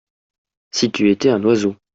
si tu étais un oiseau.